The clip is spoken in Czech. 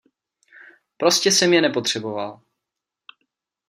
Prostě jsem je nepotřeboval.